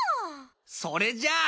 それじゃあ。